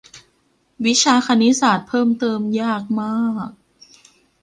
วิชาคณิตศาสตร์เพิ่มเติมยากมาก